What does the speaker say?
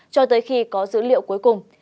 cho tới khi có dữ liệu cuối cùng